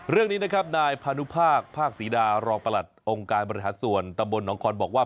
เรื่องนี้นะครับนายพานุภาคภาคศรีดารองประหลัดองค์การบริหารส่วนตำบลหนองคอนบอกว่า